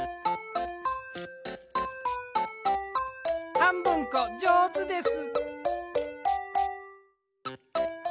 はんぶんこじょうずです。